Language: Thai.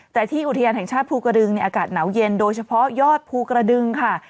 แต่ที่อุทยานแห่งชาติภูกระดึงอากาศหนาวเย็นโดยเฉพาะยอดภูกระดึงค่ะ